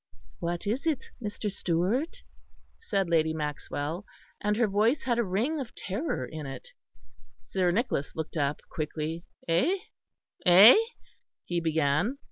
"What is it, Mr. Stewart?" said Lady Maxwell, and her voice had a ring of terror in it. Sir Nicholas looked up quickly. "Eh, eh?" he began.